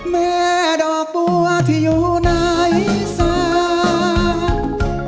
แม่ดอกบัวที่อยู่ไหนสัก